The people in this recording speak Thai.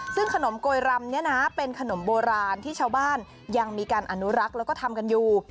ซึ่งขนมโกยรำเนี่ยนะเป็นขนมโบราณที่ชาวบ้านยังมีการอนุรักษ์แล้วก็ทำกันอยู่